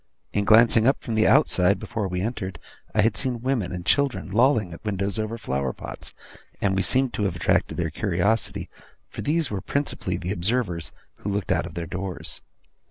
In glancing up from the outside, before we entered, I had seen women and children lolling at the windows over flower pots; and we seemed to have attracted their curiosity, for these were principally the observers who looked out of their doors.